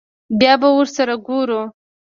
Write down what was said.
بيا به ورسره گورو.